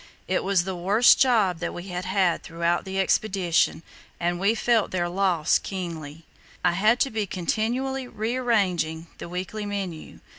It was the worst job that we had had throughout the Expedition, and we felt their loss keenly. I had to be continually rearranging the weekly menu.